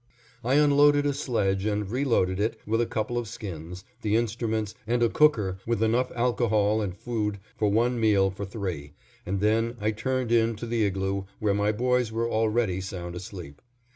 I unloaded a sledge, and reloaded it with a couple of skins, the instruments, and a cooker with enough alcohol and food for one meal for three, and then I turned in to the igloo where my boys were already sound asleep.